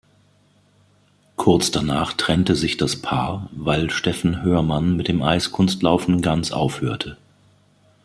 Kurz danach trennte sich das Paar, weil Steffen Hörmann mit dem Eiskunstlaufen ganz aufhörte.